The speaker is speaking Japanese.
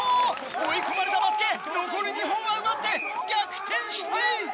追い込まれたバスケ残る２本は奪って逆転したい！